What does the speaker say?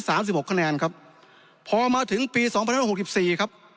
สิบหกคะแนนครับพอมาถึงปีสองพันห้าหกสิบสี่ครับ